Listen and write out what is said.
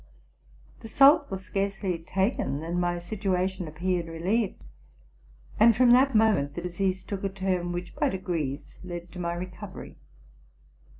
The salt was scarcely taken than my situ ation appeared relieved ; and from that moment the disease took a turn which, by degrees, led to my recovery.